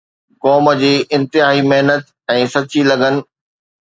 قوم جي انتھائي محنت ۽ سچي لگن